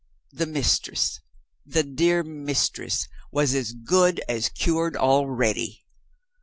The Mistress, the dear Mistress, was as good as cured already.